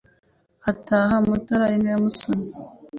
Hataha Mutara inka ya Musoni